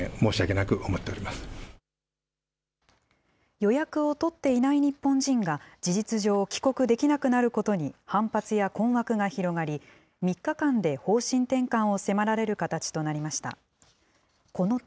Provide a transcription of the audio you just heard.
予約を取っていない日本人が、事実上、帰国できなくなることに反発や困惑が広がり、３日間で方針転換を迫られる形となりました。